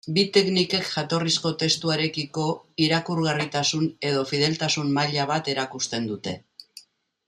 Bi teknikek jatorrizko testuarekiko irakurgarritasun- edo fideltasun-maila bat erakusten dute.